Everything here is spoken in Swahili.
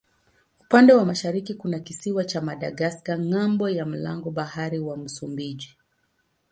Upande wa mashariki kuna kisiwa cha Madagaska ng'ambo ya mlango bahari wa Msumbiji.